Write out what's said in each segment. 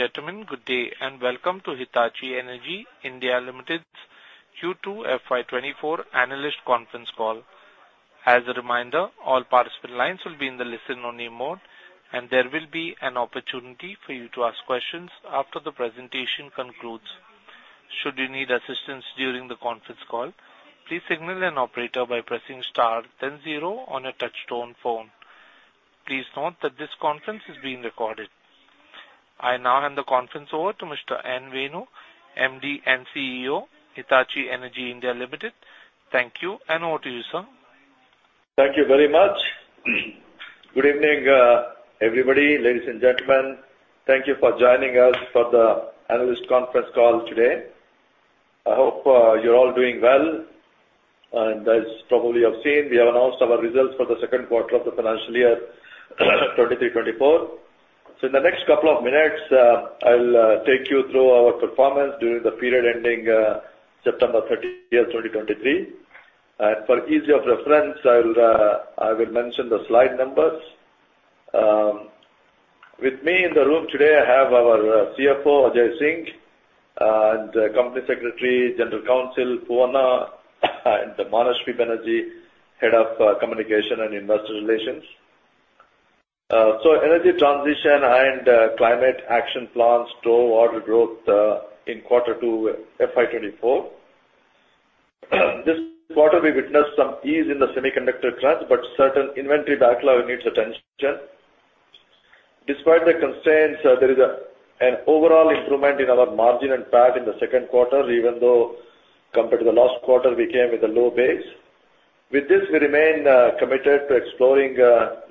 Ladies and gentlemen, good day, and welcome to Hitachi Energy India Limited's Q2 FY 2024 analyst conference call. As a reminder, all participant lines will be in the listen-only mode, and there will be an opportunity for you to ask questions after the presentation concludes. Should you need assistance during the conference call, please signal an operator by pressing star, then zero on your touchtone phone. Please note that this conference is being recorded. I now hand the conference over to Mr. N. Venu, MD and CEO, Hitachi Energy India Limited. Thank you, and over to you, sir. Thank you very much. Good evening, everybody, ladies and gentlemen. Thank you for joining us for the analyst conference call today. I hope, you're all doing well, and as probably you have seen, we have announced our results for the second quarter of the financial year 2023-2024. So in the next couple of minutes, I'll take you through our performance during the period ending September 30, 2023. And for ease of reference, I will mention the slide numbers. With me in the room today, I have our CFO, Ajay Singh, and Company Secretary, General Counsel, Poovanna, and Manashwi Banerjee, Head of Communication and Investor Relations. So energy transition and climate action plans drove order growth in quarter two, FY 2024. This quarter, we witnessed some ease in the semiconductor trends, but certain inventory backlog needs attention. Despite the constraints, there is an overall improvement in our margin and PAT in the second quarter, even though compared to the last quarter, we came with a low base. With this, we remain committed to exploring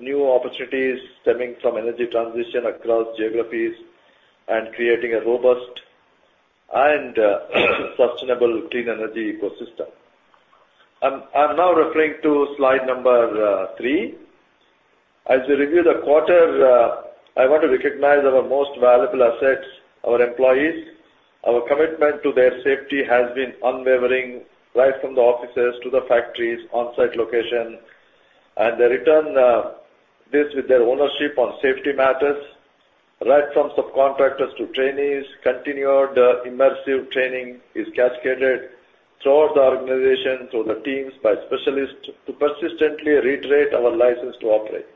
new opportunities stemming from energy transition across geographies and creating a robust and sustainable clean energy ecosystem. I'm now referring to slide number three. As we review the quarter, I want to recognize our most valuable assets, our employees. Our commitment to their safety has been unwavering, right from the offices to the factories, on-site location, and they return this with their ownership on safety matters. Right from subcontractors to trainees, continued immersive training is cascaded throughout the organization, through the teams, by specialists, to persistently reiterate our license to operate.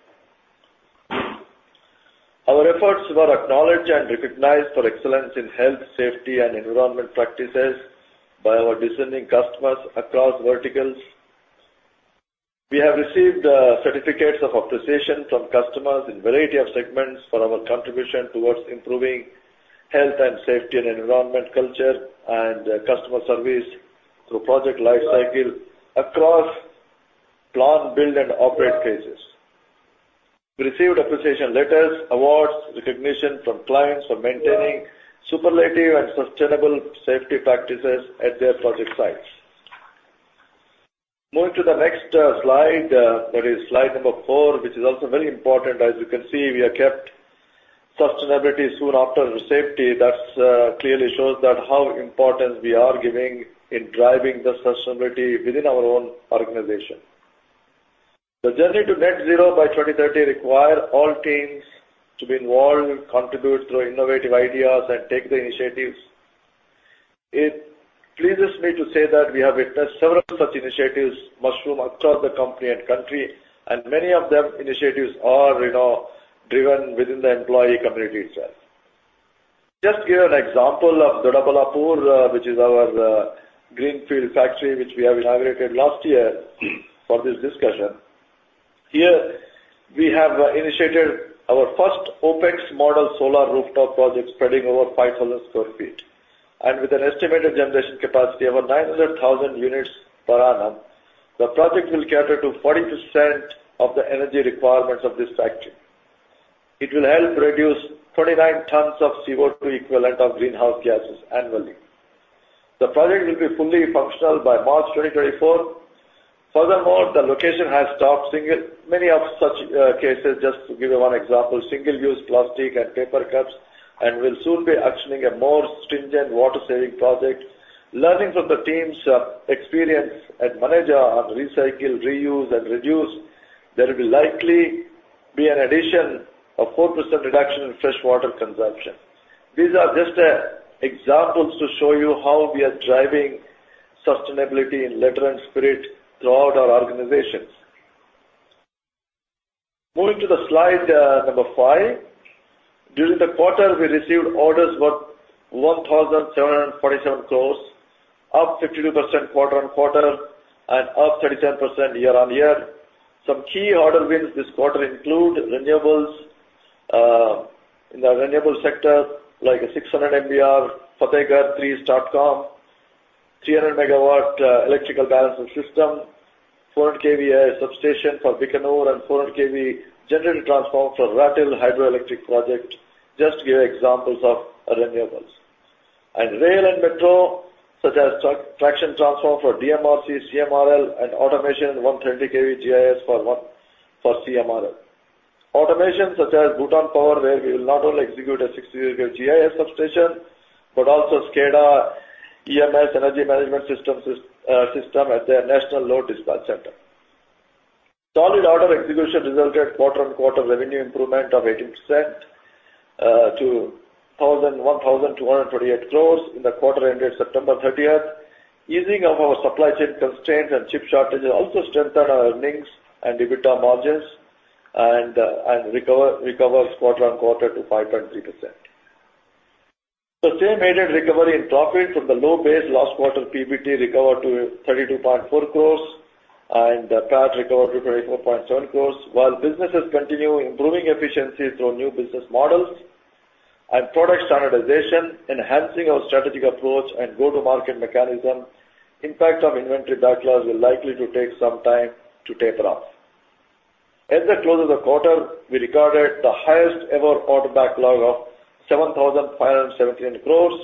Our efforts were acknowledged and recognized for excellence in health, safety, and environment practices by our discerning customers across verticals. We have received certificates of appreciation from customers in a variety of segments for our contribution towards improving health and safety and environment culture and customer service through project life cycle across plant build and operate phases. We received appreciation letters, awards, recognition from clients for maintaining superlative and sustainable safety practices at their project sites. Moving to the next slide, that is slide number 4, which is also very important. As you can see, we have kept sustainability soon after safety. That clearly shows that how important we are giving in driving the sustainability within our own organization. The journey to net zero by 2030 requires all teams to be involved and contribute through innovative ideas and take the initiatives. It pleases me to say that we have witnessed several such initiatives mushroom across the company and country, and many of them initiatives are, you know, driven within the employee community itself. Just give you an example of Doddaballapur, which is our Greenfield Factory, which we have inaugurated last year, for this discussion. Here, we have initiated our first OpEx model Solar Rooftop project, spreading over 5,000 sq ft, and with an estimated generation capacity over 900,000 units per annum. The project will cater to 40% of the energy requirements of this factory. It will help reduce 29 tons of CO2 equivalent of greenhouse gases annually. The project will be fully functional by March 2024. Furthermore, the location has stopped. Many of such cases, just to give you one example, single-use plastic and paper cups, and will soon be actioning a more stringent water-saving project. Learning from the team's experience at Maneja on recycle, reuse, and reduce, there will likely be an addition of 4% reduction in freshwater consumption. These are just examples to show you how we are driving sustainability in letter and spirit throughout our organizations. Moving to the slide number 5. During the quarter, we received orders worth 1,747 crore, up 52% quarter-on-quarter and up 37% year-on-year. Some key order wins this quarter include renewables in the renewable sector, like a 600 MW Fatehgarh STATCOM, 300 MW electrical balancing system, 400 kV substation for Bikaner, and 400 kV generator transformer for Ratle Hydroelectric Project, just to give you examples of renewables. Rail and metro, such as traction transformer for DMRC, CMRL, and automation, 132 kV GIS for CMRL. Automation, such as Bhutan Power, where we will not only execute a 66 kV GIS substation, but also SCADA, EMS, Energy Management System, system at their National Load Dispatch Center. Solid order execution resulted in quarter-on-quarter revenue improvement of 18% to 1,228 crores in the quarter ended September 30th. Easing of our supply chain constraints and chip shortages also strengthened our earnings and EBITDA margins, and, and recover, recovers quarter-on-quarter to 5.3%. The same aided recovery in profit from the low base last quarter PBT recovered to 32.4 crores, and PAT recovered to 44.7 crores. While businesses continue improving efficiency through new business models and product standardization, enhancing our strategic approach and go-to-market mechanism, impact of inventory backlogs will likely to take some time to taper off. At the close of the quarter, we recorded the highest ever order backlog of 7,517 crores,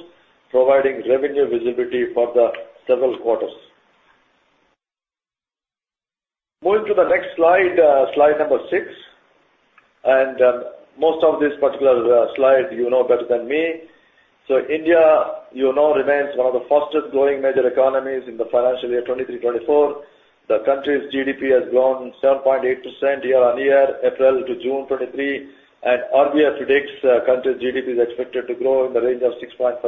providing revenue visibility for the several quarters. Moving to the next slide, slide number six, and, most of this particular, slide you know better than me. So India, you know, remains one of the fastest growing major economies in the financial year 2023-2024. The country's GDP has grown 7.8% year-on-year, April to June 2023, and RBI predicts the country's GDP is expected to grow in the range of 6.5%,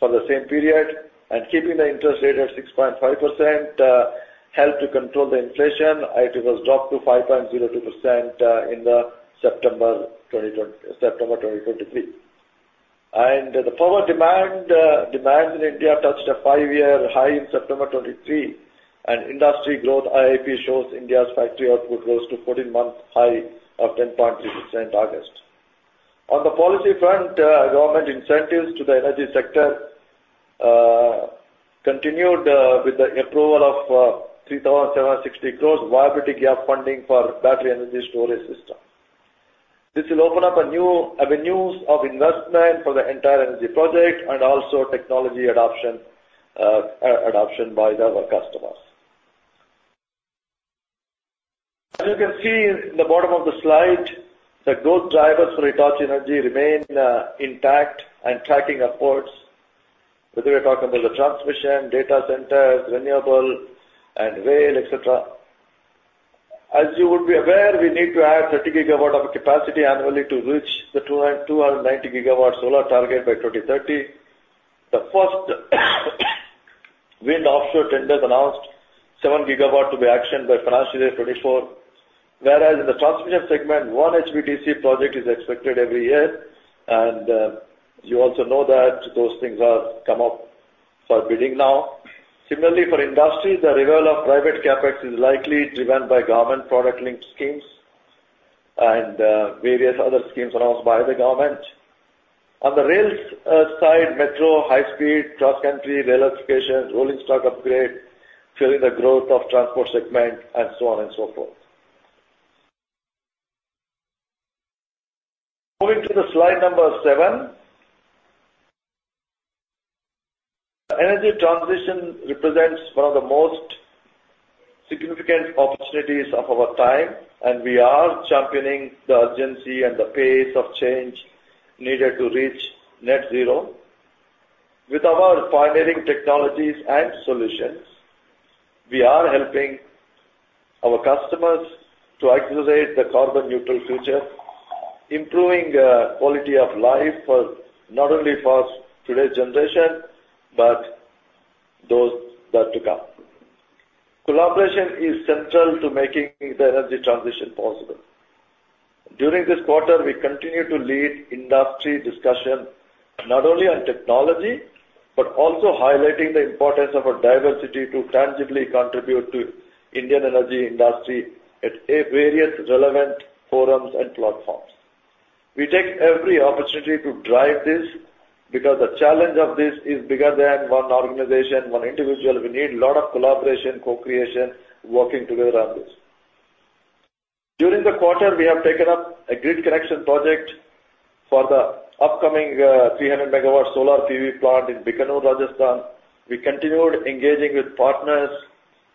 for the same period. Keeping the interest rate at 6.5% helped to control the inflation, it was dropped to 5.02%, in September 2023. The power demand, demand in India touched a 5-year high in September 2023, and industry growth IIP shows India's factory output rose to 14-month high of 10.3% in August. On the policy front, government incentives to the energy sector continued with the approval of 3,760 crore viability gap funding for battery energy storage system. This will open up new avenues of investment for the entire energy project and also technology adoption, adoption by our customers. As you can see in the bottom of the slide, the growth drivers for Hitachi Energy remain intact and tracking upwards, whether we're talking about the transmission, data centers, renewable, and rail, et cetera. As you would be aware, we need to add 30 GW of capacity annually to reach the 290 GW solar target by 2030. The first wind offshore tenders announced 7 GW to be actioned by financial year 2024, whereas in the transmission segment, one HVDC project is expected every year. And, you also know that those things are come up for bidding now. Similarly, for industry, the revival of private CapEx is likely driven by government production linked schemes and, various other schemes announced by the government. On the rails side, metro, high speed, cross-country, rail electrification, rolling stock upgrade, fueling the growth of transport segment, and so on and so forth. Moving to the slide number seven. Energy transition represents one of the most significant opportunities of our time, and we are championing the urgency and the pace of change needed to reach net zero. With our pioneering technologies and solutions, we are helping our customers to accelerate the carbon neutral future, improving, quality of life for not only for today's generation, but those that to come. Collaboration is central to making the energy transition possible. During this quarter, we continued to lead industry discussion not only on technology, but also highlighting the importance of our diversity to tangibly contribute to Indian energy industry at various relevant forums and platforms. We take every opportunity to drive this, because the challenge of this is bigger than one organization, one individual. We need a lot of collaboration, co-creation, working together on this. During the quarter, we have taken up a grid connection project for the upcoming 300 MW solar PV plant in Bikaner, Rajasthan. We continued engaging with partners,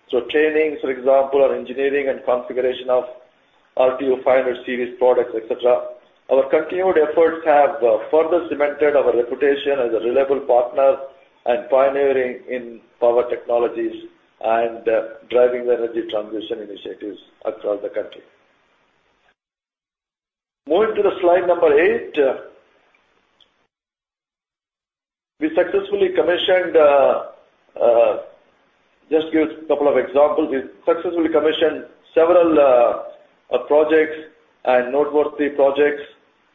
through training, for example, engineering and configuration of RTU 500 series products, et cetera. Our continued efforts have further cemented our reputation as a reliable partner and pioneering in power technologies and driving the energy transition initiatives across the country. Moving to slide number 8, we successfully commissioned... Just give a couple of examples. We successfully commissioned several projects and noteworthy projects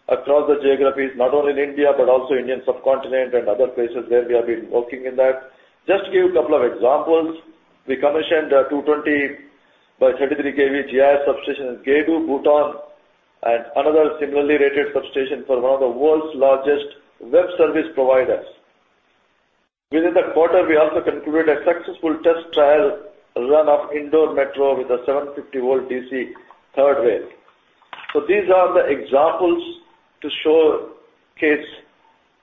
across the geographies, not only in India, but also Indian subcontinent and other places where we have been working in that. Just to give a couple of examples, we commissioned a 220 by 33 kV GIS substation in Gedu, Bhutan, and another similarly rated substation for one of the world's largest web service providers. Within the quarter, we also concluded a successful test trial run of Indore Metro with a 750 V DC third rail. So these are the examples to showcase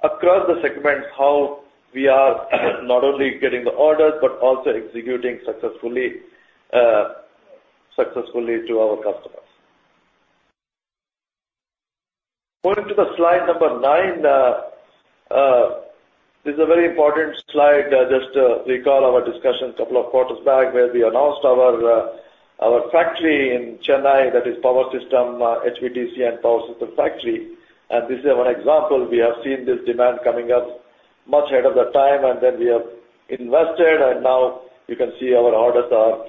across the segments, how we are not only getting the orders, but also executing successfully successfully to our customers. Moving to the slide number 9, this is a very important slide. Just, recall our discussion a couple of quarters back, where we announced our, our factory in Chennai, that is power system, HVDC, and power system factory. This is one example. We have seen this demand coming up much ahead of the time, and then we have invested, and now you can see our orders are,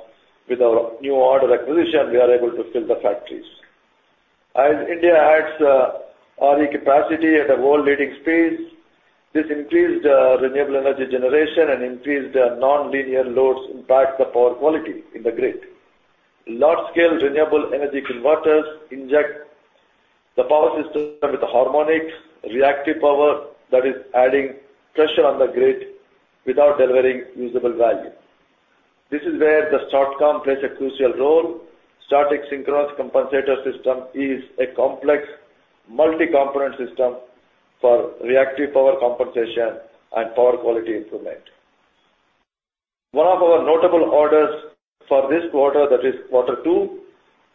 with our new order acquisition, we are able to fill the factories. As India adds, RE capacity at a world-leading pace, this increased, renewable energy generation and increased nonlinear loads impact the power quality in the grid. Large-scale renewable energy converters inject the power system with harmonic reactive power that is adding pressure on the grid without delivering usable value. This is where the STATCOM plays a crucial role. Static synchronous compensator system is a complex multi-component system for reactive power compensation and power quality improvement. One of our notable orders for this quarter, that is quarter two,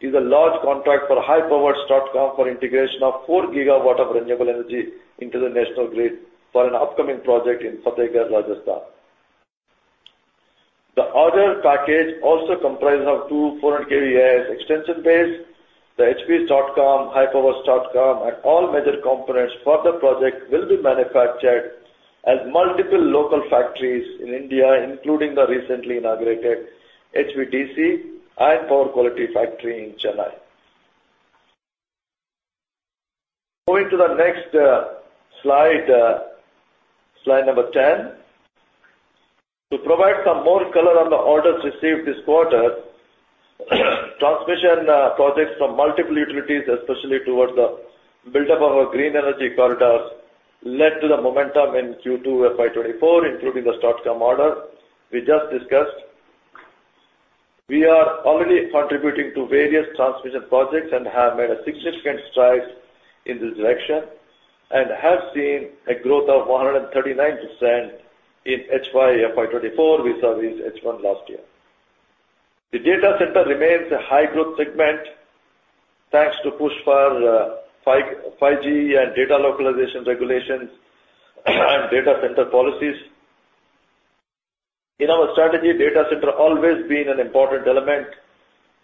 is a large contract for high-power STATCOM for integration of 4 GW of renewable energy into the national grid for an upcoming project in Fatehgarh, Rajasthan. The order package also comprises of two 400 kV extension bays. The HVDC STATCOM, high-power STATCOM, and all major components for the project will be manufactured at multiple local factories in India, including the recently inaugurated HVDC and Power Quality factory in Chennai. Moving to the next slide, slide number 10. To provide some more color on the orders received this quarter, transmission projects from multiple utilities, especially towards the build-up of our Green Energy Corridors, led to the momentum in Q2 FY 2024, including the STATCOM order we just discussed. We are already contributing to various transmission projects and have made a significant stride in this direction, and have seen a growth of 139% in HY FY 2024 versus H1 last year. The data center remains a high-growth segment, thanks to push for 5G and data localization regulations and data center policies. In our strategy, data center always been an important element,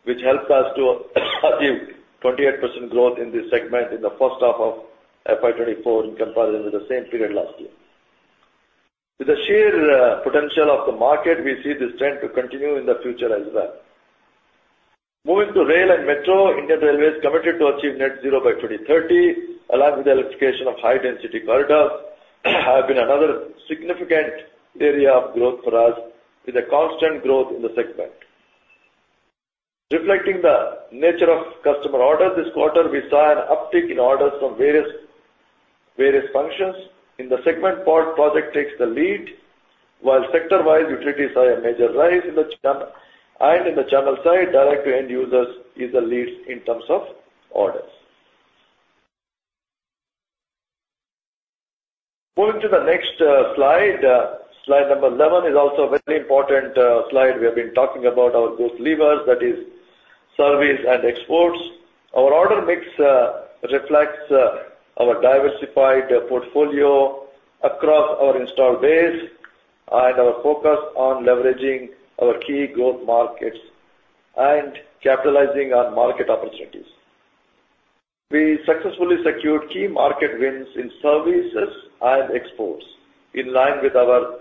which helps us to achieve 28% growth in this segment in the first half of FY 2024 in comparison to the same period last year. With the sheer potential of the market, we see this trend to continue in the future as well. Moving to rail and metro, Indian Railways is committed to achieve net zero by 2030, along with the electrification of high-density corridors, have been another significant area of growth for us, with a constant growth in the segment. Reflecting the nature of customer orders this quarter, we saw an uptick in orders from various functions. In the segment part, project takes the lead, while sector-wise, utilities saw a major rise in the channel. And in the channel side, direct to end users is the leads in terms of orders. Moving to the next slide, slide number 11 is also a very important slide. We have been talking about our growth levers, that is, service and exports. Our order mix reflects our diversified portfolio across our installed base and our focus on leveraging our key growth markets and capitalizing on market opportunities. We successfully secured key market wins in services and exports, in line with our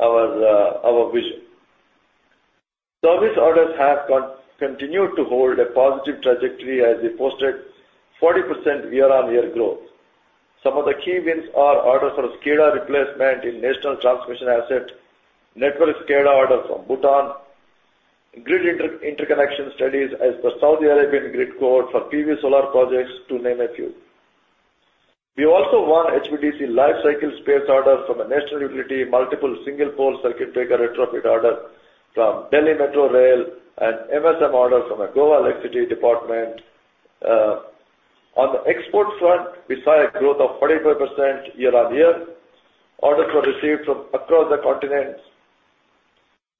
vision. Service orders have continued to hold a positive trajectory, as we posted 40% year-on-year growth. Some of the key wins are orders for SCADA replacement in national transmission assets, network SCADA orders from Bhutan, grid interconnection studies as per Saudi Arabian Grid Code for PV solar projects, to name a few. We also won HVDC life cycle space orders from a national utility, multiple single-pole circuit breaker retrofit orders from Delhi Metro Rail, and MMS orders from the Goa Electricity Department. On the export front, we saw a growth of 45% year-on-year. Orders were received from across the continent,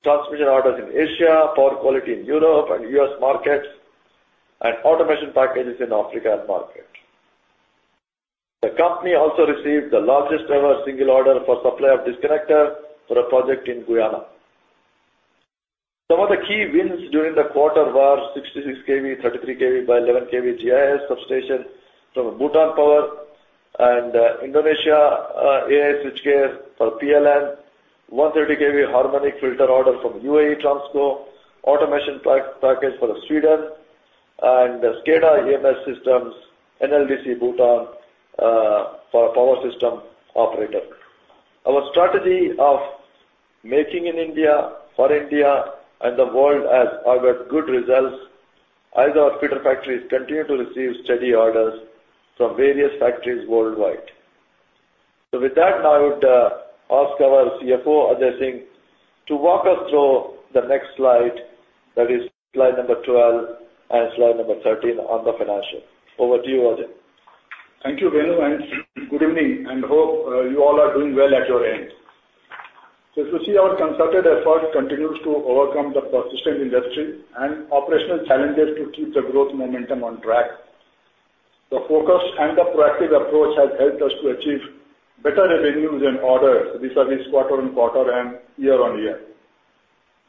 transmission orders in Asia, power quality in Europe and U.S. markets, and automation packages in Africa market. The company also received the largest-ever single order for supply of disconnector for a project in Guyana. Some of the key wins during the quarter were 66 kV, 33 kV by 11 kV GIS substation from Bhutan Power and Indonesia, AIS switchgear for PLN, 130 kV harmonic filter order from UAE Transco, automation package for Sweden, and SCADA/EMS systems, NLDC, Bhutan, for a power system operator. Our strategy of making in India, for India and the world has harbored good results, as our filter factories continue to receive steady orders from various factories worldwide. With that, now I would ask our CFO, Ajay Singh, to walk us through the next slide, that is slide number 12 and slide number 13 on the financial. Over to you, Ajay. Thank you, Venu, and good evening, and hope you all are doing well at your end. So if you see, our concerted effort continues to overcome the persistent industry and operational challenges to keep the growth momentum on track. The focus and the proactive approach has helped us to achieve better revenues and orders this quarter-over-quarter and year-over-year.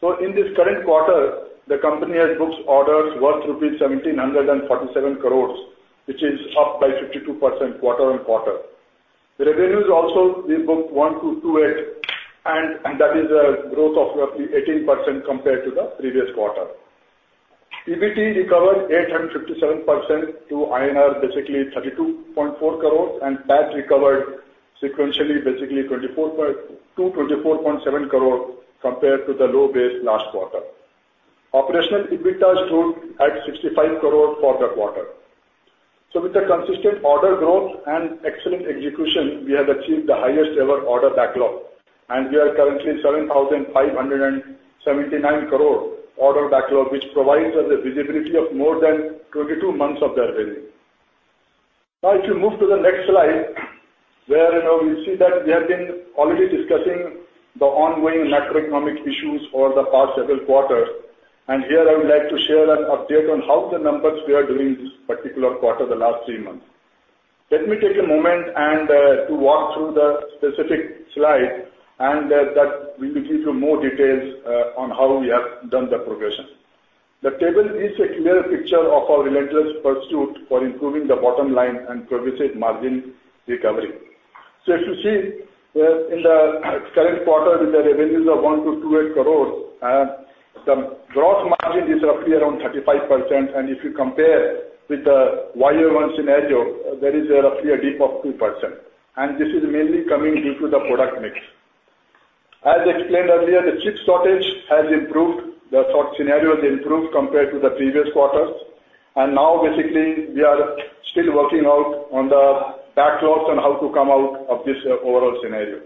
So in this current quarter, the company has booked orders worth rupees 1,747 crore, which is up by 52% quarter-over-quarter. The revenues also, we booked 1,028, and that is a growth of roughly 18% compared to the previous quarter. PBT recovered 857% to INR, basically 32.4 crore, and PAT recovered sequentially, basically 24.7 crore compared to the low base last quarter. Operational EBITDA stood at 65 crore for that quarter. So with the consistent order growth and excellent execution, we have achieved the highest ever order backlog, and we are currently 7,579 crore order backlog, which provides us a visibility of more than 22 months of the revenue. Now, if you move to the next slide, where, you know, you see that we have been already discussing the ongoing macroeconomic issues for the past several quarters. And here, I would like to share an update on how the numbers we are doing this particular quarter, the last three months. Let me take a moment and to walk through the specific slide, and that will give you more details on how we have done the progression. The table gives a clear picture of our relentless pursuit for improving the bottom line and pervasive margin recovery. So if you see, in the current quarter, with the revenues of 128 crore, and the gross margin is roughly around 35%, and if you compare with the year-over-year scenario, there is roughly a dip of 2%, and this is mainly coming due to the product mix. As explained earlier, the chip shortage has improved. The short scenario has improved compared to the previous quarters, and now, basically, we are still working out on the backlogs and how to come out of this overall scenario.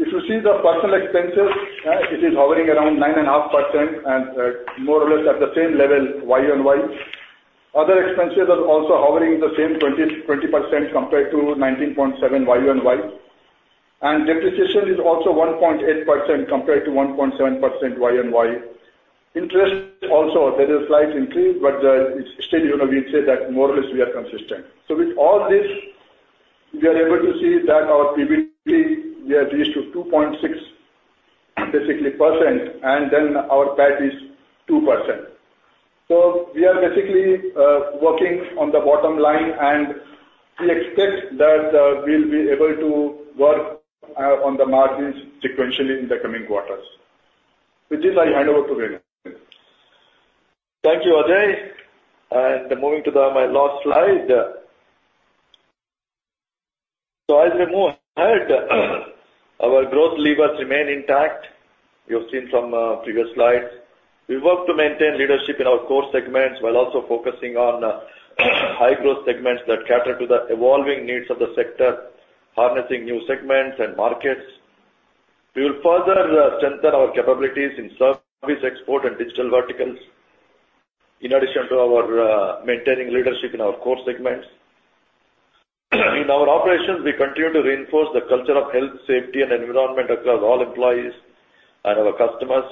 If you see the personnel expenses, it is hovering around 9.5% and, more or less at the same level year-over-year. Other expenses are also hovering the same 20-20% compared to 19.7% year-on-year. Depreciation is also 1.8% compared to 1.7% year-on-year. Interest also, there is slight increase, but it's still, you know, we say that more or less, we are consistent. So with all this, we are able to see that our PBT, we have reached to 2.6%, basically, and then our PAT is 2%. So we are basically working on the bottom line, and we expect that we'll be able to work on the margins sequentially in the coming quarters. With this, I hand over to Venu. Thank you, Ajay. Moving to my last slide. As we move ahead, our growth levers remain intact. You've seen from previous slides. We work to maintain leadership in our core segments, while also focusing on high-growth segments that cater to the evolving needs of the sector, harnessing new segments and markets. We will further strengthen our capabilities in service, export and digital verticals, in addition to our maintaining leadership in our core segments. In our operations, we continue to reinforce the culture of health, safety, and environment across all employees and our customers.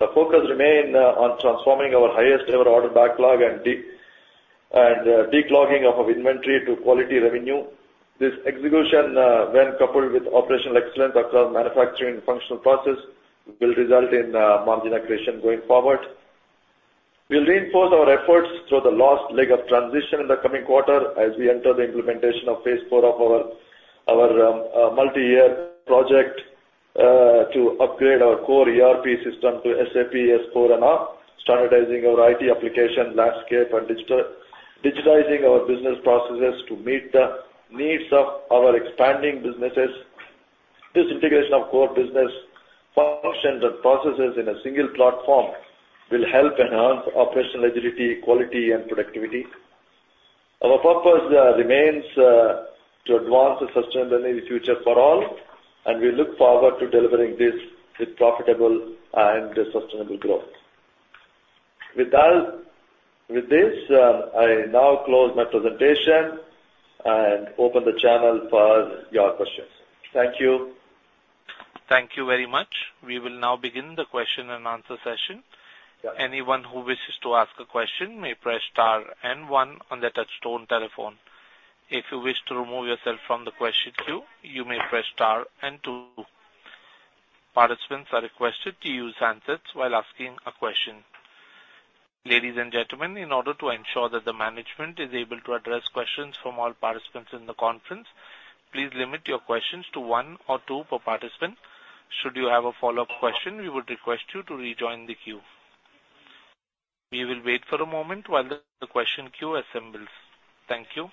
The focus remain on transforming our highest ever order backlog and declogging of our inventory to quality revenue. This execution, when coupled with operational excellence across manufacturing functional process, will result in margin accretion going forward. We'll reinforce our efforts through the last leg of transition in the coming quarter as we enter the implementation of phase four of our multi-year project to upgrade our core ERP system to SAP S/4HANA, standardizing our IT application landscape and digitizing our business processes to meet the needs of our expanding businesses. This integration of core business functions and processes in a single platform will help enhance operational agility, quality, and productivity. Our purpose remains to advance a sustainable energy future for all, and we look forward to delivering this with profitable and sustainable growth. With that, I now close my presentation and open the channel for your questions. Thank you. Thank you very much. We will now begin the question-and-answer session. Yeah. Anyone who wishes to ask a question may press star and one on the touchtone telephone. If you wish to remove yourself from the question queue, you may press star and two. Participants are requested to use handsets while asking a question. Ladies and gentlemen, in order to ensure that the management is able to address questions from all participants in the conference, please limit your questions to one or two per participant. Should you have a follow-up question, we would request you to rejoin the queue. We will wait for a moment while the question queue assembles. Thank you.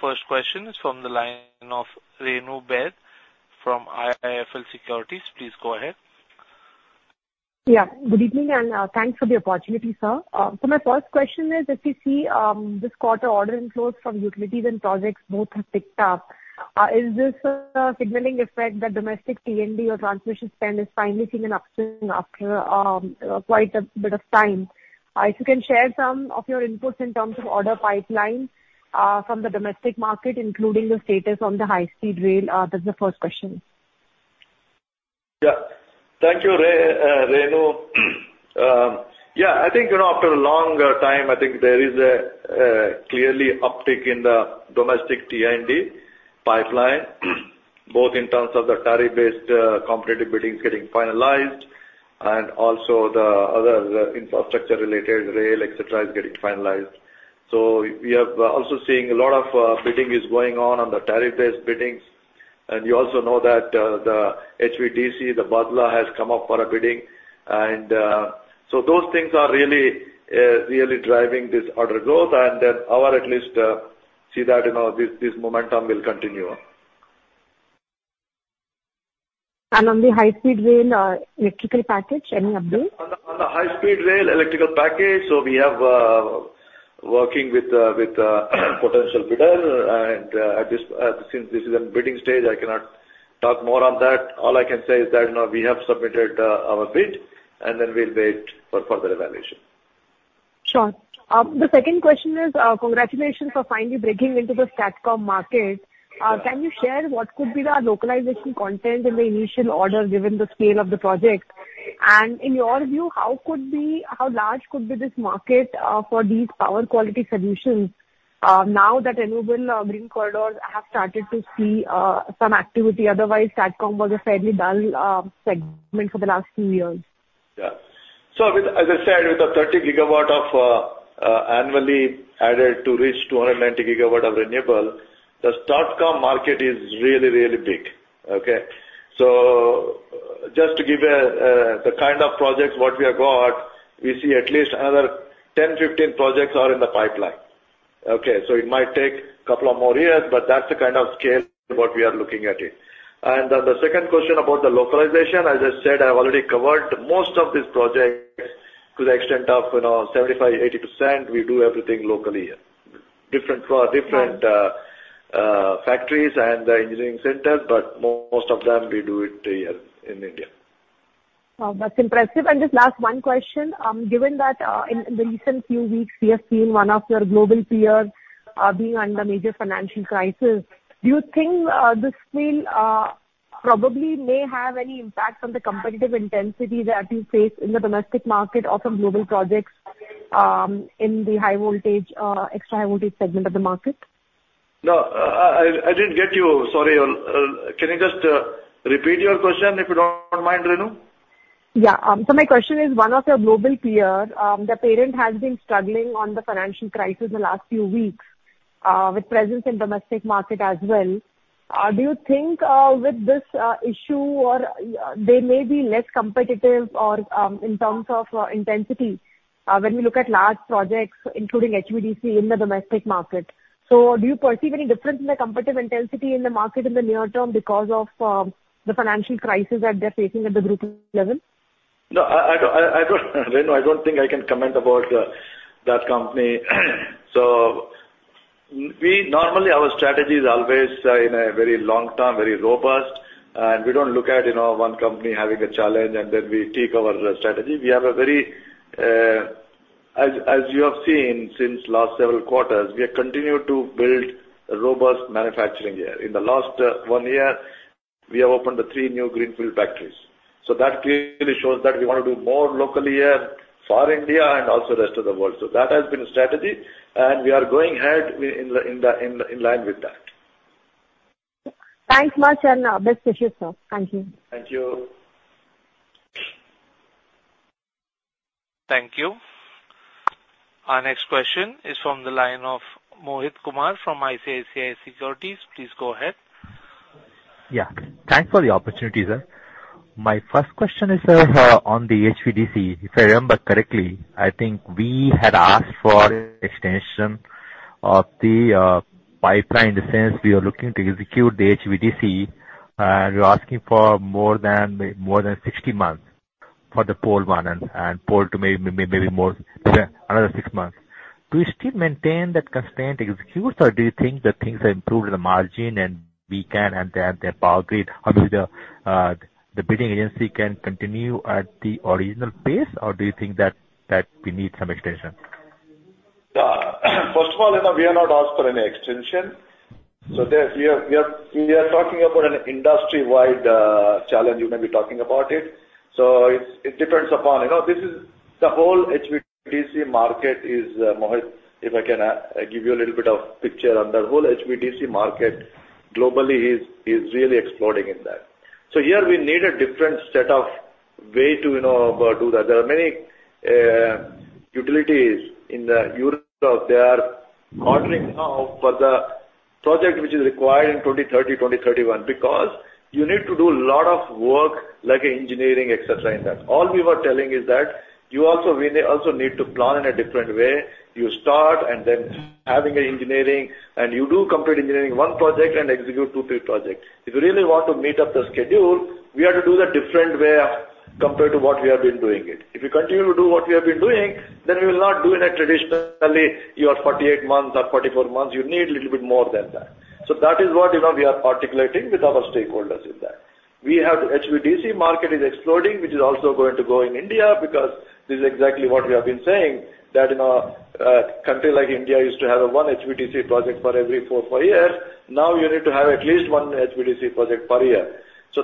First question is from the line of Renu Baid from IIFL Securities. Please go ahead. Yeah, good evening, and, thanks for the opportunity, sir. So my first question is, if you see, this quarter order inflows from utilities and projects both have picked up, is this, signaling effect that domestic T&D or transmission spend is finally seeing an upswing after, quite a bit of time? If you can share some of your inputs in terms of order timeline, from the domestic market, including the status on the high-speed rail? That's the first question. .Yeah. Thank you, Renu. Yeah, I think, you know, after a long time, I think there is a clearly uptick in the domestic T&D timeline, both in terms of the tariff-based competitive biddings getting finalized, and also the other infrastructure related, rail, et cetera, is getting finalized. So we have also seeing a lot of bidding is going on, on the tariff-based biddings. And you also know that, the HVDC, the Bhadla, has come up for a bidding. And so those things are really really driving this order growth, and then our at least see that, you know, this, this momentum will continue on. On the high-speed rail, electrical package, any update? On the high-speed rail electrical package, so we have working with potential bidder. At this since this is in bidding stage, I cannot talk more on that. All I can say is that, you know, we have submitted our bid, and then we'll wait for further evaluation. Sure. The second question is, congratulations for finally breaking into the STATCOM market. Can you share what could be the localization content in the initial order, given the scale of the project? And in your view, how large could be this market, for these power quality solutions, now that renewable, Green Corridors have started to see, some activity? Otherwise, STATCOM was a fairly dull, segment for the last few years. Yeah. So with as I said, with the 30 GW of annually added to reach 290 Gw of renewable, the STATCOM market is really, really big. Okay? So just to give a the kind of projects what we have got, we see at least another 10 projects-15 projects are in the timeline. Okay, so it might take couple of more years, but that's the kind of scale what we are looking at it. And then the second question about the localization, as I said, I've already covered most of these projects to the extent of, you know, 75%-80%. We do everything locally here. Different factories and the engineering centers, but most of them, we do it here in India. Oh, that's impressive. And just last one question. Given that, in the recent few weeks, we have seen one of your global peers being under major financial crisis, do you think this will probably may have any impact on the competitive intensity that you face in the domestic market or from global projects, in the high voltage, extra high voltage segment of the market? No, I didn't get you. Sorry. Can you just repeat your question, if you don't mind, Renu? Yeah. So my question is, one of your global peer, their parent has been struggling on the financial crisis in the last few weeks, with presence in domestic market as well. Do you think, with this, issue or, they may be less competitive or, in terms of, intensity, when we look at large projects, including HVDC in the domestic market? So do you perceive any difference in the competitive intensity in the market in the near term because of, the financial crisis that they're facing at the group level? No, I don't, Renu, I don't think I can comment about that company. So we normally, our strategy is always in a very long term, very robust, and we don't look at, you know, one company having a challenge, and then we tweak our strategy. We have a very, as you have seen since last several quarters, we have continued to build robust manufacturing here. In the last 1 year, we have opened 3 new greenfield factories. So that clearly shows that we want to do more locally here for India and also rest of the world. So that has been the strategy, and we are going ahead in line with that. Thanks much, and, best wishes, sir. Thank you. Thank you. Thank you. Our next question is from the line of Mohit Kumar from ICICI Securities. Please go ahead. Yeah. Thanks for the opportunity, sir. My first question is on the HVDC. If I remember correctly, I think we had asked for extension of the timeline. In the sense, we are looking to execute the HVDC, and you're asking for more than 16 months for the pole one and pole two, maybe more, another six months. Do you still maintain that constraint execute, or do you think that things have improved in the margin and we can, and then the Power Grid, or do the bidding agency can continue at the original pace, or do you think that we need some extension? First of all, you know, we have not asked for any extension. So there, we are talking about an industry-wide challenge. You may be talking about it, so it's, it depends upon, you know, this is the whole HVDC market is, Mohit, if I can give you a little bit of picture on the whole HVDC market globally is really exploding in that. So here we need a different set of way to, you know, do that. There are many utilities in Europe, they are ordering now for the project, which is required in 2030, 2031, because you need to do a lot of work, like engineering, et cetera, in that. All we were telling is that you also, we also need to plan in a different way. You start and then having an engineering, and you do complete engineering one project and execute two, three projects. If you really want to meet up the schedule, we have to do the different way compared to what we have been doing it. If you continue to do what we have been doing, then we will not do in a traditionally, your 48 months or 44 months, you need a little bit more than that. So that is what, you know, we are articulating with our stakeholders in that. We have the HVDC market is exploding, which is also going to grow in India, because this is exactly what we have been saying, that, you know, countries like India used to have one HVDC project for every four years. Now you need to have at least one HVDC project per year.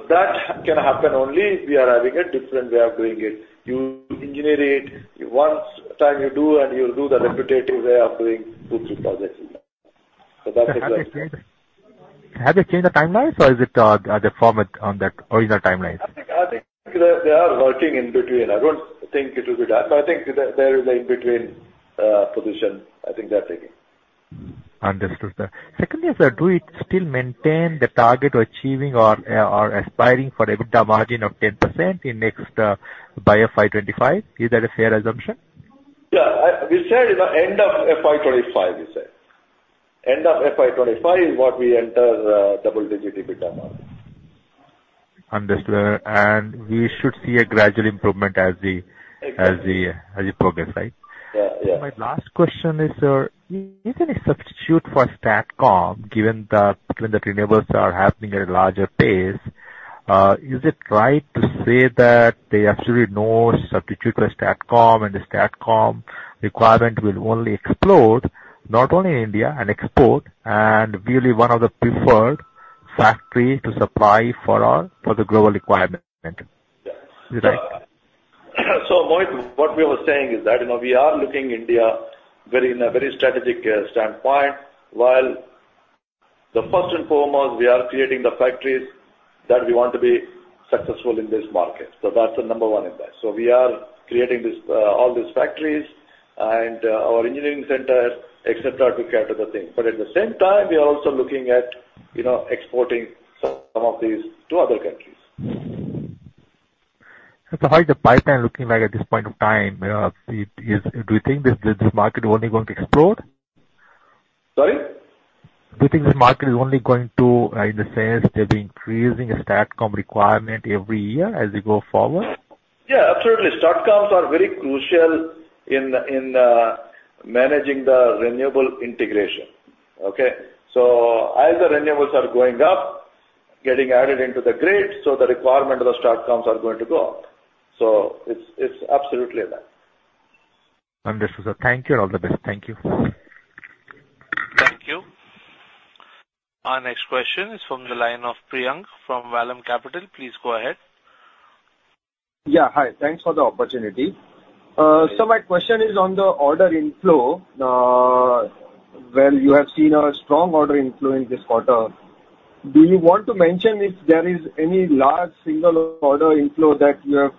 That can happen only if we are having a different way of doing it. You engineer it, one time you do, and you'll do the repetitive way of doing 2, 3 projects. That is like- Have they changed the timelines, or is it, the format on that original timelines? I think they are working in between. I don't think it will be done, but I think there is an in-between position, I think they are taking. Understood, sir. Secondly, sir, do we still maintain the target or achieving or, or aspiring for EBITDA margin of 10% in next, by FY 2025? Is that a fair assumption? Yeah, we said, you know, end of FY 2025, we said. End of FY 2025 is what we enter, double-digit EBITDA margin. Understood. We should see a gradual improvement as we- Exactly. As you progress, right? Yeah, yeah. My last question is, sir, is there a substitute for STATCOM, given that, given the renewables are happening at a larger pace, is it right to say that there is absolutely no substitute for STATCOM, and the STATCOM requirement will only explode, not only in India, and export, and be really one of the preferred factory to supply for all, for the global requirement? Yes. Is that right? So, Mohit, what we were saying is that, you know, we are looking India very, in a very strategic standpoint, while the first and foremost, we are creating the factories that we want to be successful in this market. So that's the number one impact. So we are creating this, all these factories and, our engineering centers, et cetera, to cater the thing. But at the same time, we are also looking at, you know, exporting some, some of these to other countries. How is the timeline looking like at this point of time? Do you think this market is only going to explode? Sorry? Do you think this market is only going to, in the sense, they'll be increasing a STATCOM requirement every year as we go forward? Yeah, absolutely. STATCOMs are very crucial in managing the renewable integration. Okay? So as the renewables are going up, getting added into the grid, so the requirement of the STATCOMs are going to go up. So it's absolutely like that. Understood, sir. Thank you, and all the best. Thank you. Thank you. Our next question is from the line of Priyank from Vallum Capital. Please go ahead. Yeah, hi. Thanks for the opportunity. So my question is on the order inflow. Well, you have seen a strong order inflow in this quarter. Do you want to mention if there is any large single order inflow that you have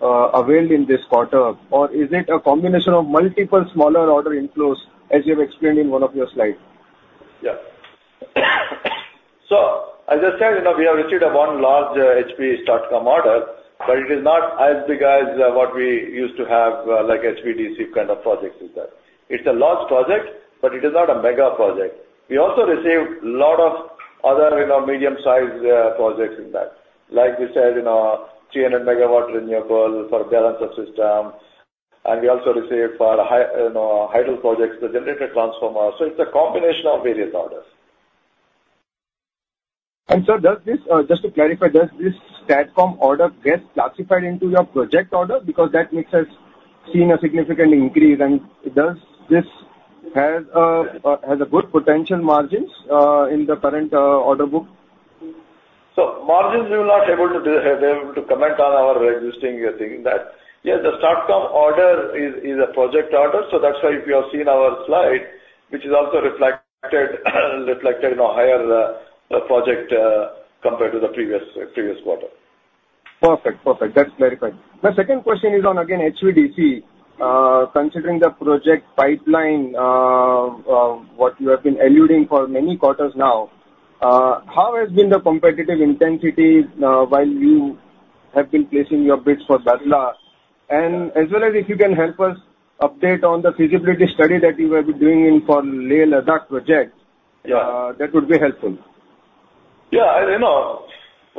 availed in this quarter? Or is it a combination of multiple smaller order inflows, as you have explained in one of your slides? Yeah. So as I said, you know, we have received one large high-power STATCOM order, but it is not as big as what we used to have, like HVDC kind of projects with that. It's a large project, but it is not a mega project. We also received a lot of other, you know, medium-sized projects in that. Like we said, you know, 300 MWt renewable for balancer system, and we also received for hydro projects, the generator transformer. So it's a combination of various orders. And, sir, does this just to clarify, does this STATCOM order get classified into your project order? Because that makes us seen a significant increase. And does this have, has good potential margins in the current order book? Margins, we are not able to comment on our registering. You are seeing that. Yes, the STATCOM order is a project order, so that's why if you have seen our slide, which is also reflected in a higher project compared to the previous quarter. Perfect. Perfect, that's clarified. My second question is on, again, HVDC. Considering the project timeline, what you have been alluding for many quarters now, how has been the competitive intensity, while you have been placing your bids for Bhadla? And as well as if you can help us update on the feasibility study that you will be doing in for Leh Ladakh project? Yeah. That would be helpful. Yeah, you know,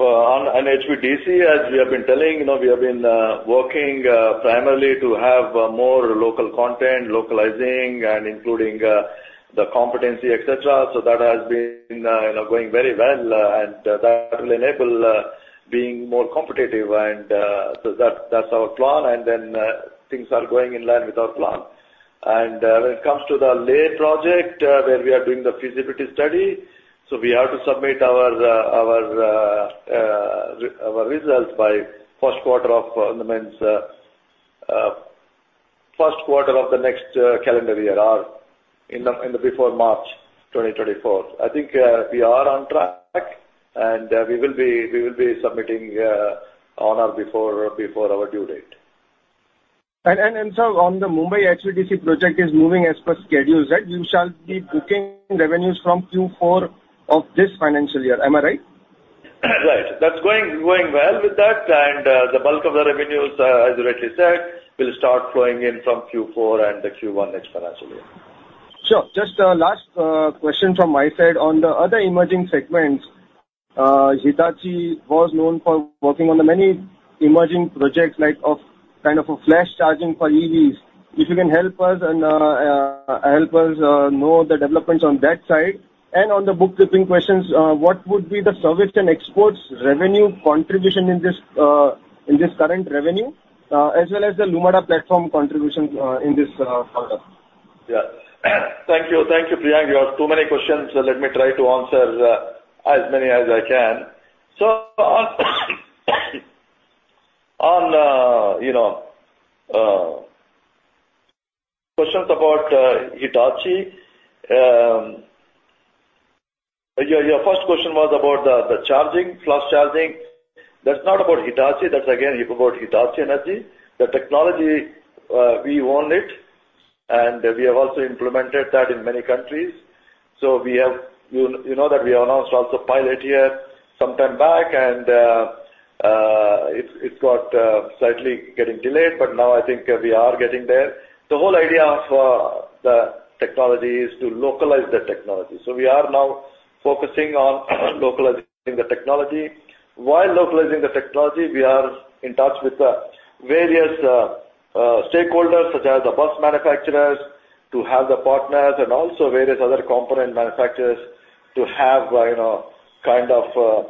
on HVDC, as we have been telling, you know, we have been working primarily to have more local content, localizing and including the competency, et cetera. So that has been, you know, going very well, and that will enable being more competitive. And, so that, that's our plan, and then, things are going in line with our plan. And, when it comes to the Leh project, where we are doing the feasibility study, so we have to submit our results by first quarter, I mean, first quarter of the next calendar year or before March 2024.I think we are on track, and we will be submitting on or before our due date. Sir, on the Mumbai HVDC project is moving as per schedule. Is that you shall be booking revenues from Q4 of this financial year? Am I right? Right. That's going well with that, and the bulk of the revenues, as rightly said, will start flowing in from Q4 and the Q1 next financial year. Sure. Just, last, question from my side. On the other emerging segments, Hitachi was known for working on the many emerging projects like kind of a flash charging for EVs. If you can help us and, help us, know the developments on that side. And on the bookkeeping questions, what would be the service and exports revenue contribution in this, in this current revenue, as well as the Lumada platform contribution, in this, quarter? Yeah. Thank you, thank you, Priyank. You have too many questions, so let me try to answer as many as I can. So on, you know, questions about Hitachi, your first question was about the charging, flash charging. That's not about Hitachi, that's again about Hitachi Energy. The technology, we own it, and we have also implemented that in many countries. So we have, you know that we announced also pilot here sometime back, and it got slightly getting delayed, but now I think we are getting there. The whole idea of the technology is to localize the technology. So we are now focusing on localizing the technology. While localizing the technology, we are in touch with the various stakeholders, such as the bus manufacturers, to have the partners and also various other component manufacturers to have, you know, kind of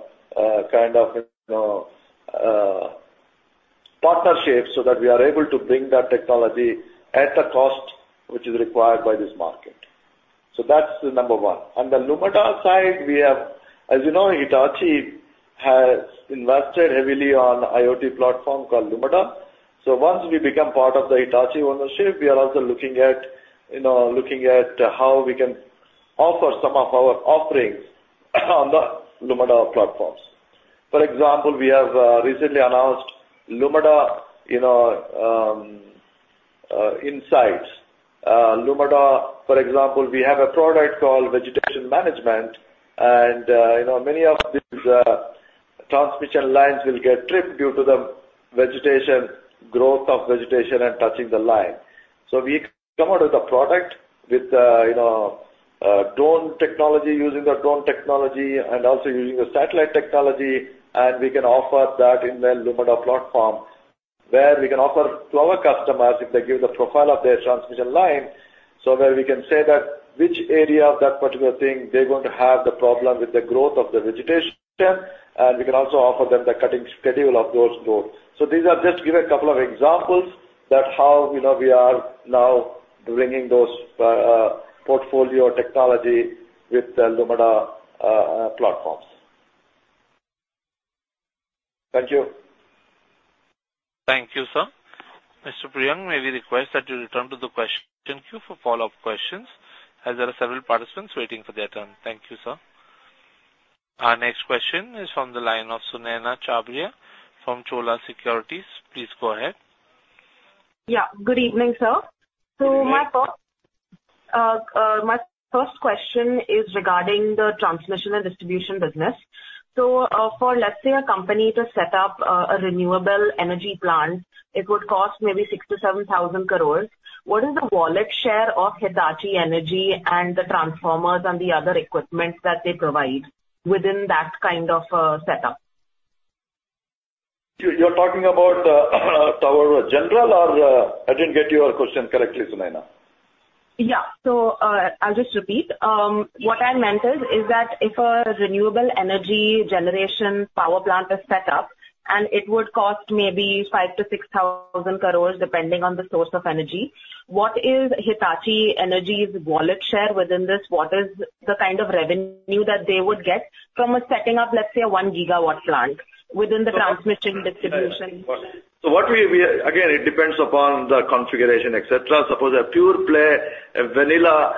partnership, so that we are able to bring that technology at a cost which is required by this market. So that's the number one. On the Lumada side, we have. As you know, Hitachi has invested heavily on IoT platform called Lumada. So once we become part of the Hitachi ownership, we are also looking at, you know, looking at how we can offer some of our offerings on the Lumada platforms. For example, we have recently announced Lumada, you know, insights. Lumada, for example, we have a product called Vegetation Management, and, you know, many of these transmission lines will get tripped due to the vegetation, growth of vegetation and touching the line. So we come out with a product with, you know, drone technology, using the drone technology and also using the satellite technology, and we can offer that in the Lumada platform, where we can offer to our customers, if they give the profile of their transmission line, so where we can say that which area of that particular thing they're going to have the problem with the growth of the vegetation, and we can also offer them the cutting schedule of those drones. So these are just to give a couple of examples that how, you know, we are now bringing those portfolio technology with the Lumada platforms. Thank you. Thank you, sir. Mr. Priyank, may we request that you return to the question queue for follow-up questions, as there are several participants waiting for their turn. Thank you, sir. Our next question is from the line of Sunaina Chhabria from Chola Securities. Please go ahead. Yeah, good evening, sir. Good evening. So my first question is regarding the transmission and distribution business. So, for, let's say, a company to set up a renewable energy plant, it would cost maybe 6,000 crore-7,000 crore. What is the wallet share of Hitachi Energy and the transformers and the other equipment that they provide within that kind of setup? You, you're talking about power general or, I didn't get your question correctly, Sunaina. Yeah. So, I'll just repeat. What I meant is, is that if a renewable energy generation power plant is set up, and it would cost maybe 5,000 crore-6,000 crore, depending on the source of energy, what is Hitachi Energy's wallet share within this? What is the kind of revenue that they would get from setting up, let's say, a 1 GW plant within the transmission distribution? So what we, again, it depends upon the configuration, et cetera. Suppose a pure play, a vanilla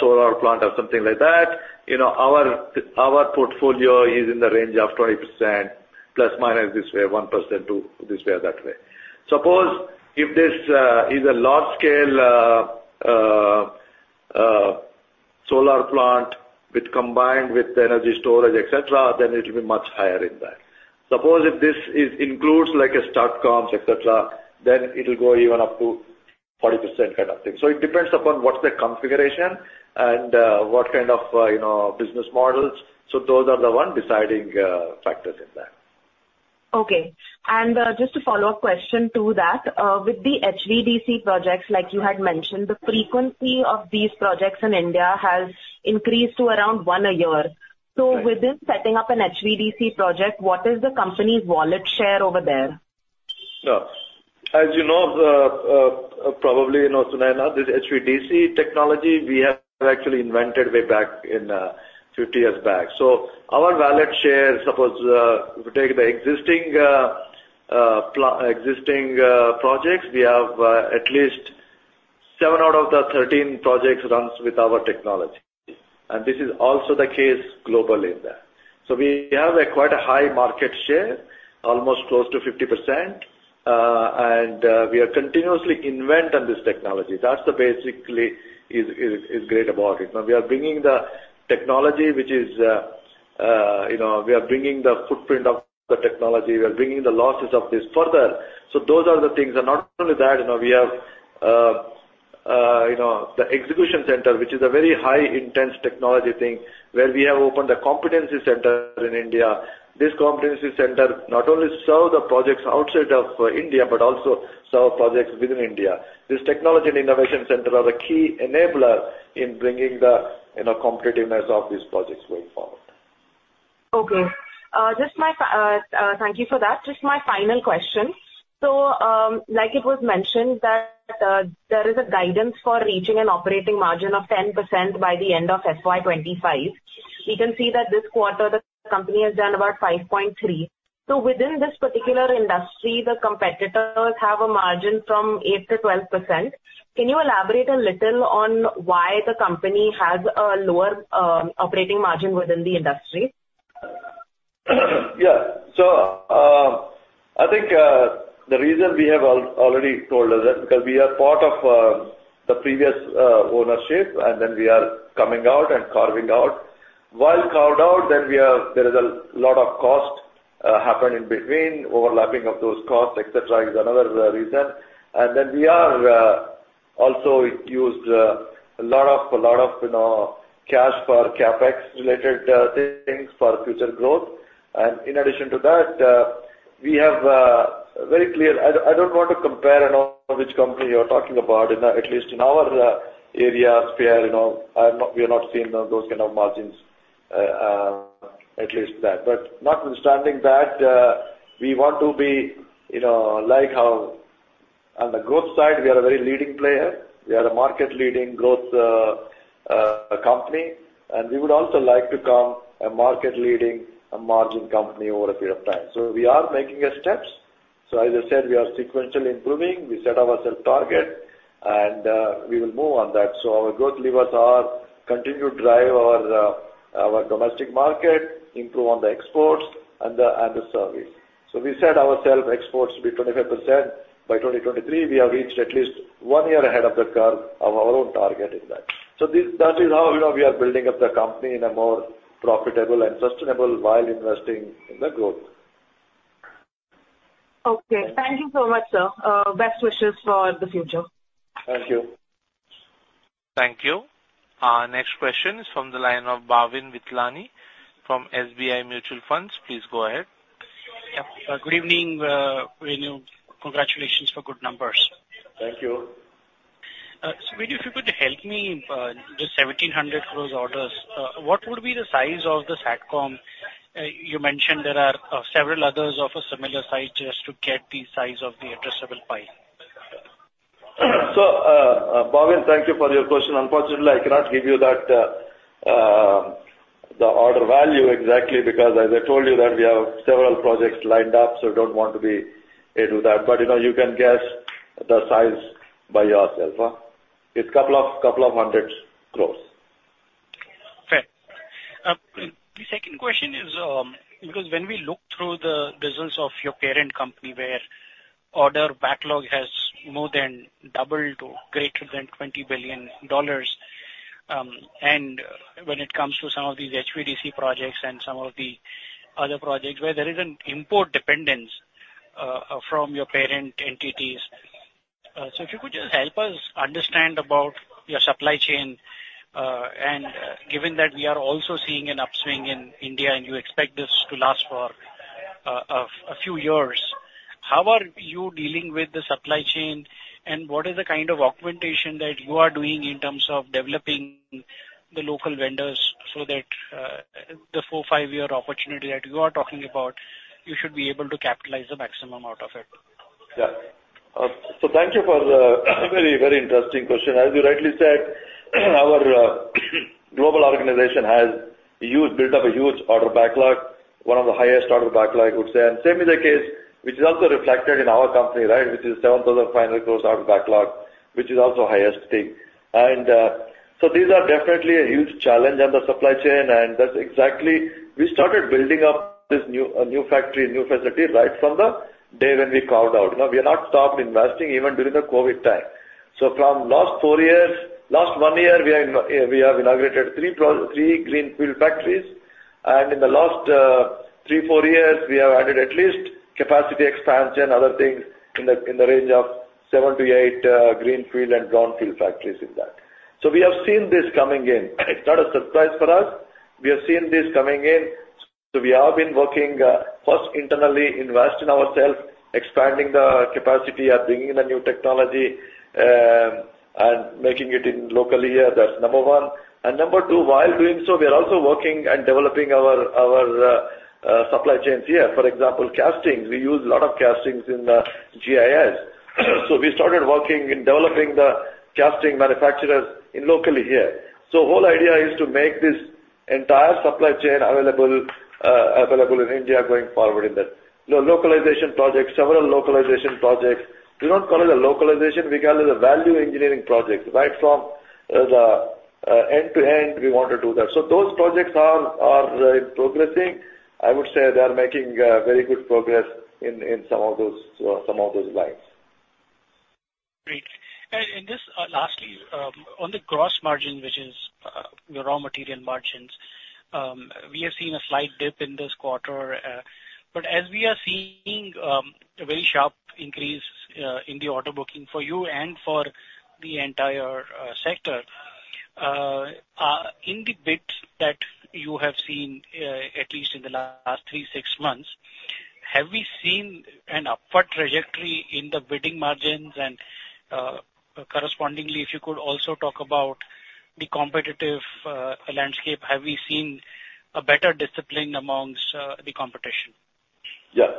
solar plant or something like that, you know, our portfolio is in the range of 20%± this way, 1% to this way or that way. Suppose if this is a large-scale solar plant, which combined with energy storage, et cetera, then it will be much higher in that. Suppose if this is includes, like, a STATCOM, et cetera, then it'll go even up to 40% kind of thing. So it depends upon what's the configuration and what kind of, you know, business models. So those are the one deciding factors in that. Okay. Just a follow-up question to that. With the HVDC projects, like you had mentioned, the frequency of these projects in India has increased to around one a year? Right. Within setting up an HVDC project, what is the company's wallet share over there? Sure. As you know, probably, you know, Sunaina, this HVDC technology, we have actually invented way back in 50 years back. So our wallet share, suppose, if we take the existing projects, we have at least 7 out of the 13 projects runs with our technology. And this is also the case globally in there. So we have a quite a high market share, almost close to 50%, and we are continuously invent on this technology. That's the basically is great about it. Now, we are bringing the technology, which is, you know, we are bringing the footprint of the technology. We are bringing the losses of this further. So those are the things. And not only that, you know... The execution center, which is a very high intense technology thing, where we have opened a competency center in India. This competency center not only serve the projects outside of India, but also serve projects within India. This technology and innovation center are the key enabler in bringing the, you know, competitiveness of these projects going forward. Okay. Just my final question. So, like it was mentioned that there is a guidance for reaching an operating margin of 10% by the end of FY 2025. We can see that this quarter, the company has done about 5.3. So within this particular industry, the competitors have a margin from 8%-12%. Can you elaborate a little on why the company has a lower operating margin within the industry? Yeah. So, I think the reason we have already told is that because we are part of the previous ownership, and then we are coming out and carving out. While carved out, there is a lot of cost happened in between, overlapping of those costs, et cetera, is another reason. And then we are also used a lot of, a lot of, you know, cash for CapEx related things for future growth. And in addition to that, we have very clear. I don't want to compare, you know, which company you are talking about. In at least in our area, sphere, you know, we are not seeing those kind of margins, at least that. Notwithstanding that, we want to be, you know, like how on the growth side, we are a very leading player. We are a market-leading growth company, and we would also like to become a market-leading margin company over a period of time. We are making a steps. As I said, we are sequentially improving. We set ourself target, and we will move on that. Our growth levers are continue to drive our our domestic market, improve on the exports and the, and the service. We set ourself exports to be 25%. By 2023, we have reached at least one year ahead of the curve of our own target in that. This, that is how, you know, we are building up the company in a more profitable and sustainable while investing in the growth. Okay. Thank you so much, sir. Best wishes for the future. Thank you. Thank you. Our next question is from the line of Bhavin Vithlani from SBI Mutual Funds. Please go ahead. Yeah. Good evening, Venu. Congratulations for good numbers. Thank you. Venu, if you could help me, the 1,700 crore orders, what would be the size of the STATCOM? You mentioned there are several others of a similar size, just to get the size of the addressable pie. Bhavin, thank you for your question. Unfortunately, I cannot give you that, the order value exactly, because as I told you that we have several projects lined up, so I don't want to be into that. But, you know, you can guess the size by yourself, huh? It's a couple of hundreds crores. Fair. The second question is, because when we look through the results of your parent company, where order backlog has more than doubled to greater than $20 billion, and when it comes to some of these HVDC projects and some of the other projects, where there is an import dependence, from your parent entities. So if you could just help us understand about your supply chain, and given that we are also seeing an upswing in India, and you expect this to last for, a few years, how are you dealing with the supply chain, and what is the kind of augmentation that you are doing in terms of developing the local vendors so that, the 4 years-5-years opportunity that you are talking about, you should be able to capitalize the maximum out of it? Yeah. So thank you for the very, very interesting question. As you rightly said, our global organization has a huge, built up a huge order backlog, one of the highest order backlog, I would say. And same is the case, which is also reflected in our company, right, which is 7,500 crores order backlog, which is also highest thing. So these are definitely a huge challenge on the supply chain, and that's exactly we started building up this new, new factory, new facility, right from the day when we carved out. You know, we have not stopped investing even during the COVID time. So from last four years, last one year, we have inaugurated three greenfield factories, and in the last three, four years, we have added at least capacity expansion, other things, in the range of seven to eight Greenfield and Brownfield factories in that. So we have seen this coming in. It's not a surprise for us. We have seen this coming in, so we have been working, first internally, invest in ourselves, expanding the capacity and bringing in a new technology, and making it in locally here. That's number one. And number two, while doing so, we are also working and developing our supply chains here. For example, castings. We use a lot of castings in the GIS. So we started working in developing the casting manufacturers in locally here. So whole idea is to make this entire supply chain available, available in India going forward in that. The localization projects, several localization projects. We don't call it a localization, we call it a value engineering project. Right from, the, end to end, we want to do that. So those projects are, are, progressing. I would say they are making, very good progress in, in some of those, some of those lines. Great. And just lastly on the gross margin, which is your raw material margins. We have seen a slight dip in this quarter, but as we are seeing a very sharp increase in the order booking for you and for the entire sector, in the bids that you have seen, at least in the last 3 months-6 months, have we seen an upward trajectory in the bidding margins? And correspondingly, if you could also talk about the competitive landscape, have we seen a better discipline amongst the competition? Yeah.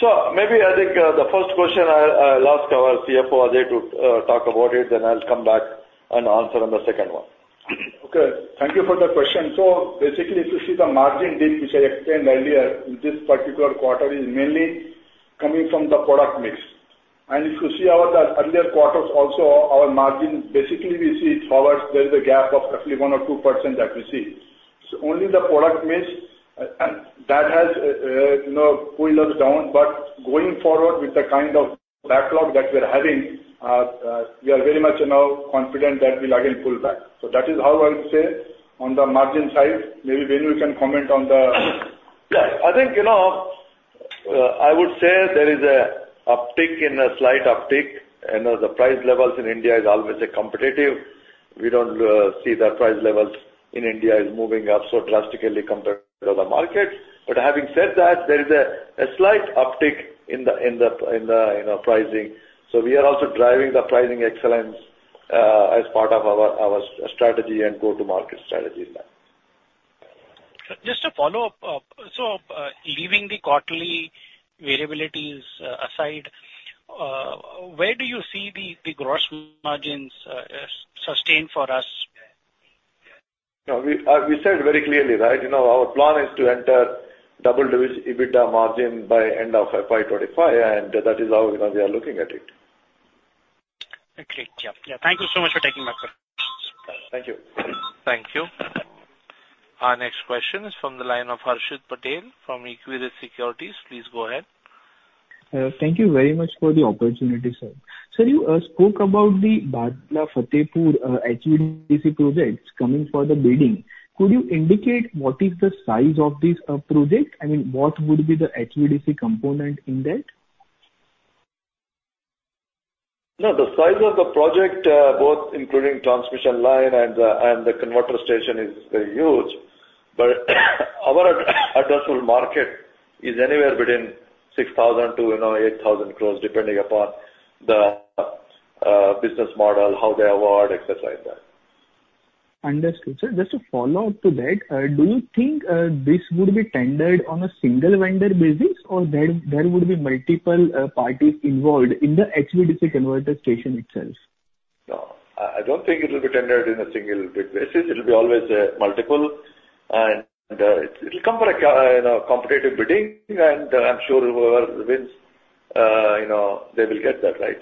So maybe I think, the first question I'll ask our CFO Ajay to talk about it, then I'll come back and answer on the second one. Okay, thank you for the question. So basically, if you see the margin dip, which I explained earlier, in this particular quarter is mainly coming from the product mix. And if you see our earlier quarters also, our margin, basically, we see it towards there is a gap of roughly 1%-2% that we see. So only the product mix, and that has, you know, pulled us down. But going forward with the kind of backlog that we're having, we are very much now confident that we'll again pull back. So that is how I would say on the margin side, maybe Venu can comment on the. Yeah, I think, you know, I would say there is a slight uptick. I know the price levels in India is always a competitive. We don't see the price levels in India is moving up so drastically compared to the market. But having said that, there is a slight uptick in the, you know, pricing. So we are also driving the pricing excellence as part of our strategy and go-to-market strategy in that. Just a follow-up. So, leaving the quarterly variabilities aside, where do you see the gross margins sustained for us? No, we said very clearly, right? You know, our plan is to enter double-digit EBITDA margin by end of FY 2025, and that is how, you know, we are looking at it. Great. Yeah. Yeah, thank you so much for taking my call. Thank you. Thank you. Our next question is from the line of Harshit Patel from Equirus Securities. Please go ahead. Thank you very much for the opportunity, sir. Sir, you spoke about the Bhadla-Fatehpur HVDC projects coming for the bidding. Could you indicate what is the size of this project? I mean, what would be the HVDC component in that? No, the size of the project, both including transmission line and the converter station is huge. But our addressable market is anywhere between 6,000 crore-8,000 crore, depending upon the business model, how they award, et cetera, like that. Understood. So just a follow-up to that, do you think this would be tendered on a single vendor basis, or there would be multiple parties involved in the HVDC converter station itself? No, I don't think it will be tendered in a single bid basis. It'll be always a multiple, and it'll come for a you know, competitive bidding, and I'm sure whoever wins, you know, they will get that right.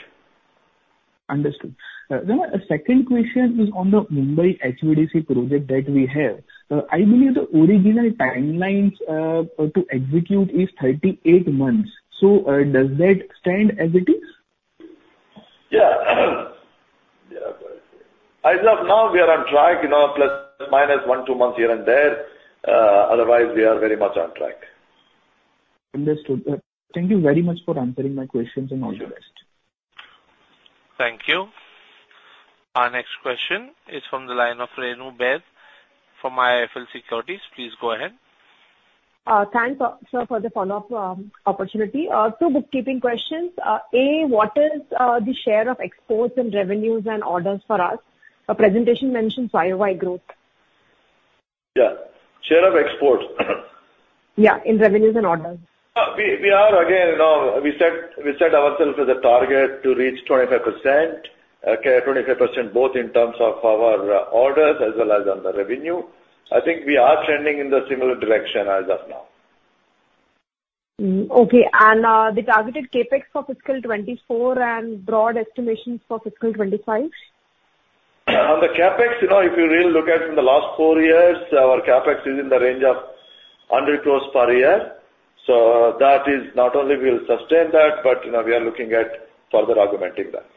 Understood. Then the second question is on the Mumbai HVDC project that we have. I believe the original timelines to execute is 38 months. So, does that stand as it is? Yeah. Yeah. As of now, we are on track, you know, plus or minus one, two months here and there. Otherwise, we are very much on track. Understood. Thank you very much for answering my questions, and all the best. Thank you. Our next question is from the line of Renu Baid from IIFL Securities. Please go ahead. Thanks, sir, for the follow-up opportunity. Two bookkeeping questions. A, what is the share of exports and revenues and orders for us? Our presentation mentions Y-o-Y growth. Yeah, share of exports? Yeah, in revenues and orders. We are again, you know, we set ourselves as a target to reach 25%, okay, 25%, both in terms of our orders as well as on the revenue. I think we are trending in the similar direction as of now. Okay. And, the targeted CapEx for fiscal 24 and broad estimations for fiscal 25? On the CapEx, you know, if you really look at in the last four years, our CapEx is in the range of 100 crore per year. So that is, not only we'll sustain that, but, you know, we are looking at further augmenting that.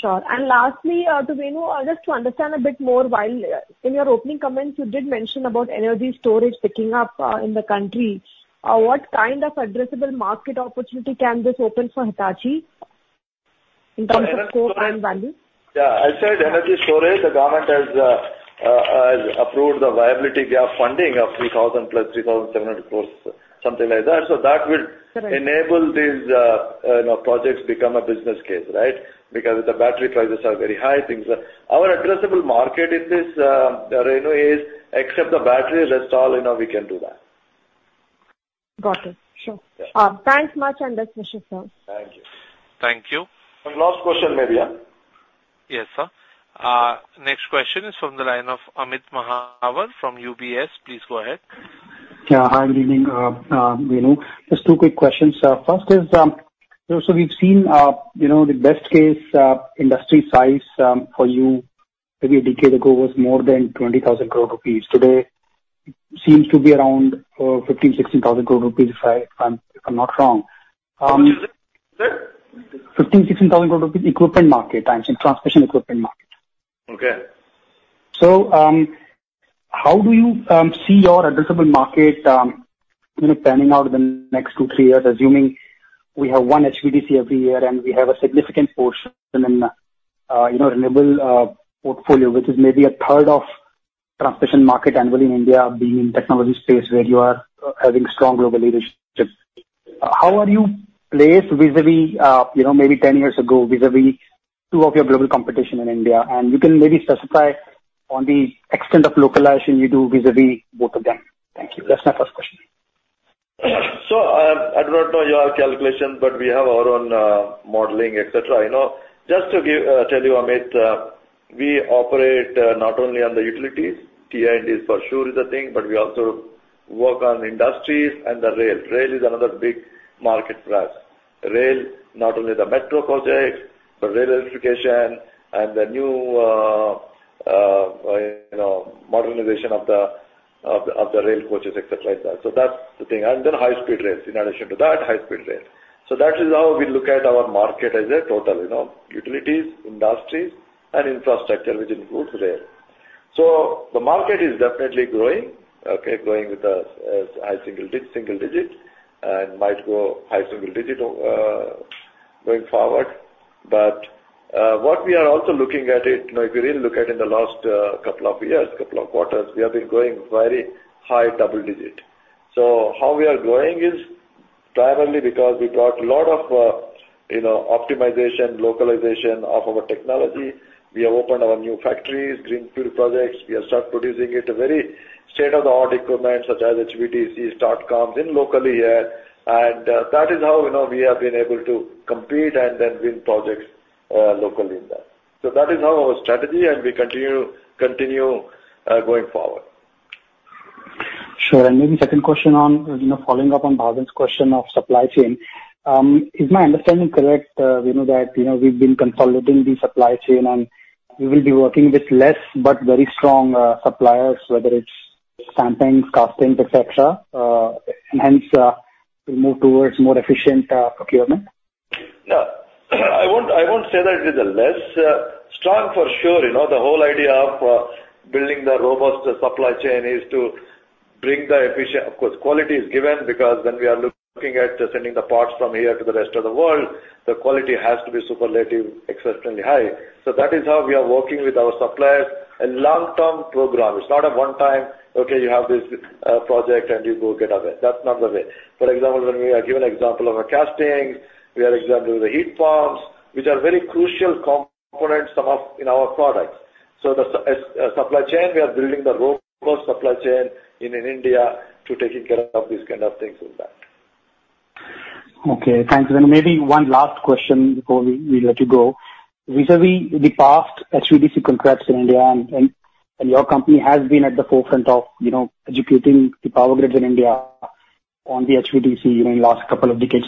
Sure. Lastly, to Venu, just to understand a bit more, while in your opening comments, you did mention about energy storage picking up in the country. What kind of addressable market opportunity can this open for Hitachi in terms of scope and value? Yeah, I said energy storage, the government has approved the viability gap funding of 6,700 crore, something like that. So that will- Correct. -enable these, you know, projects become a business case, right? Because the battery prices are very high, things like. Our addressable market in this, Renu, is except the battery, rest all, you know, we can do that. Got it. Sure. Yeah. Thanks much, and best wishes, sir. Thank you. Thank you. One last question, maybe, yeah? Yes, sir. Next question is from the line of Amit Mahawar from UBS. Please go ahead. Yeah. Hi, good evening, Venu. Just two quick questions. First is, so we've seen, you know, the best case, industry size, for you maybe a decade ago was more than 20,000 crore rupees. Today seems to be around 15,000-16,000 crore rupees, if I'm not wrong. Sir? 15,000-16,000 crore rupees equipment market, I'm saying, transmission equipment market. Okay. How do you see your addressable market, you know, panning out in the next two, three years, assuming we have one HVDC every year, and we have a significant portion in, you know, renewable portfolio, which is maybe a third of transmission market annually in India, being in technology space where you are having strong global leadership. How are you placed vis-a-vis, you know, maybe 10 years ago, vis-a-vis two of your global competition in India? And you can maybe specify on the extent of localization you do vis-a-vis both of them. Thank you. That's my first question. So, I do not know your calculation, but we have our own modeling, et cetera. You know, just to give, tell you, Amit, we operate not only on the utilities, T&D, and this for sure is a thing, but we also work on industries and the rail. Rail is another big market for us. Rail, not only the metro projects, but rail electrification and the new, you know, modernization of the rail coaches, et cetera, like that. So that's the thing. And then high-speed rails. In addition to that, high-speed rail. So that is how we look at our market as a total, you know, utilities, industries, and infrastructure, which includes rail. So the market is definitely growing, okay? Growing with a high-single digit, and might go high-single digit, going forward. But, what we are also looking at it, you know, if you really look at in the last, couple of years, couple of quarters, we have been growing very high double-digit. So how we are growing is primarily because we brought a lot of, you know, optimization, localization of our technology. We have opened our new factories, greenfield projects. We have started producing it, a very state-of-the-art equipment, such as HVDC, STATCOMs in locally here, and, that is how, you know, we have been able to compete and then win projects, locally in there. So that is how our strategy, and we continue going forward. Sure. And maybe second question on, you know, following up on Bhavin's question of supply chain. Is my understanding correct, we know that, you know, we've been consolidating the supply chain, and we will be working with less but very strong suppliers, whether it's stampings, castings, et cetera, and hence move towards more efficient procurement? Yeah. I won't, I won't say that it is less. Strong for sure, you know, the whole idea of building the robust supply chain is to bring the efficient... Of course, quality is given, because when we are looking at sending the parts from here to the rest of the world, the quality has to be superlative, exceptionally high. So that is how we are working with our suppliers, a long-term program. It's not a one time, okay, you have this, project, and you go get away. That's not the way. For example, when we are given example of a casting, we are example the heat pumps, which are very crucial components of, in our products. So the supply chain, we are building the robust supply chain in, in India to taking care of these kind of things like that. Okay, thank you. Then maybe one last question before we let you go. Vis-a-vis the past HVDC contracts in India and your company has been at the forefront of, you know, educating the power grids in India on the HVDC in the last couple of decades.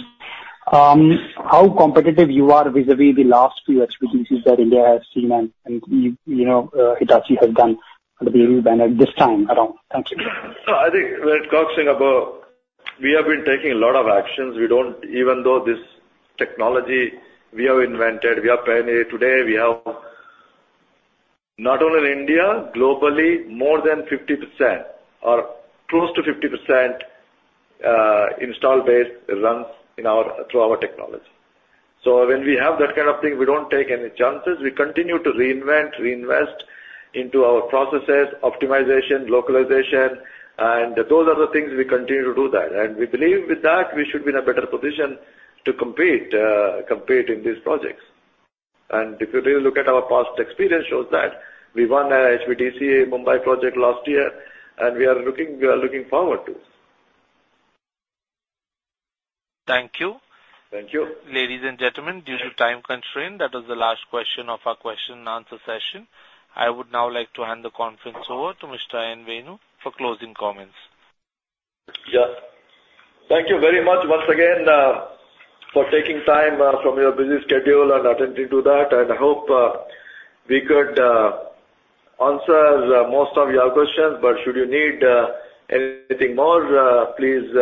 How competitive you are vis-a-vis the last few HVDCs that India has seen and we, you know, Hitachi has done under the banner this time around? Thank you. So I think when it comes thing about. We have been taking a lot of actions. We don't even though this technology we have invented, we are pioneer. Today, we have not only in India, globally, more than 50% or close to 50%, install base runs in our, through our technology. So when we have that kind of thing, we don't take any chances. We continue to reinvent, reinvest into our processes, optimization, localization, and those are the things we continue to do that. And we believe with that, we should be in a better position to compete, compete in these projects. And if you really look at our past experience shows that we won a HVDC Mumbai project last year, and we are looking, we are looking forward to. Thank you. Thank you. Ladies and gentlemen, due to time constraint, that was the last question of our question and answer session. I would now like to hand the conference over to Mr. N Venu for closing comments. Yeah. Thank you very much once again for taking time from your busy schedule and attending to that. And I hope we could answer most of your questions, but should you need anything more, please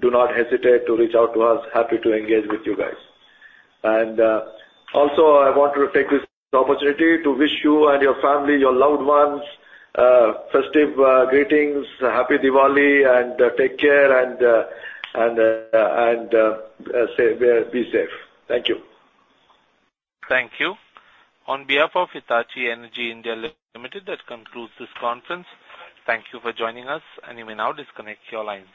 do not hesitate to reach out to us. Happy to engage with you guys. And also, I want to take this opportunity to wish you and your family, your loved ones, festive greetings, Happy Diwali, and take care, and stay well, be safe. Thank you. Thank you. On behalf of Hitachi Energy India Limited, that concludes this conference. Thank you for joining us, and you may now disconnect your lines.